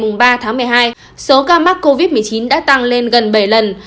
ngày ba tháng một mươi hai số ca mắc covid một mươi chín đã tăng lên gần bảy lần